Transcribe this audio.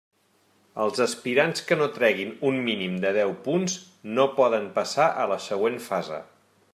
Els aspirants que no treguin un mínim de deu punts no poden passar a la següent fase.